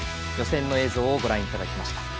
予選の映像をご覧いただきました。